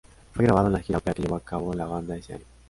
Fue grabado en la gira europea que llevó a cabo la banda ese año.